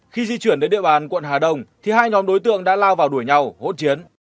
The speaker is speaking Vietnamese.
khi di chuyển đến địa bàn quận hà đông thì hai nhóm đối tượng đã lao vào đuổi nhau hỗn chiến